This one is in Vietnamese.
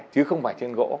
chứ không phải trên gỗ